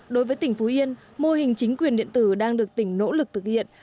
đối với tỉnh phú yên mô hình chính quyền điện tử đang được tỉnh nỗ lực thực hiện